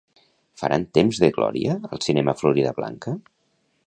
Faran "Temps de glòria" al cinema Floridablanca?